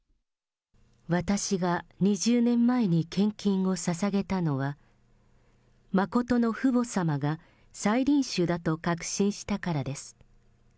私が２０年前に献金をささげたのは、真の父母様が再臨主だと確信したからです。